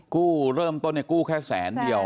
เริ่มต้นกู้แค่แสนเดียว